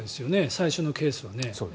最初のケースはね。